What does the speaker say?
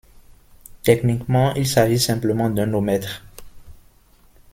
Techniquement, il s'agit simplement d'un ohmmètre.